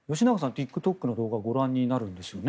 ＴｉｋＴｏｋの動画をご覧になるんですよね。